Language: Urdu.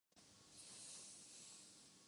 جس کے اخراج پر مکمل پابندی عائد نہیں کی جاسکتی